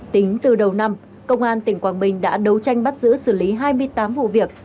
tính từ đầu năm công an tỉnh quảng bình đã đấu tranh bắt giữ xử lý hai mươi tám vụ việc